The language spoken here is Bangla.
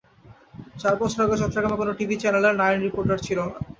চার বছর আগেও চট্টগ্রামে কোনো টিভি চ্যানেলে নারী রিপোর্টার ছিল না।